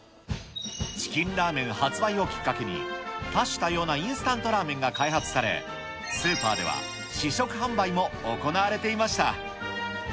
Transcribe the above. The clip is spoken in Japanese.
チキンラーメン発売をきっかけに、多種多様なインスタントラーメンが開発され、スーパーでは試食販売も行われていました。